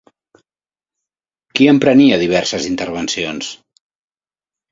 Qui emprenia diverses intervencions?